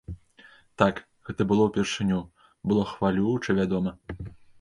Так, гэта было ўпершыню, было хвалююча, вядома.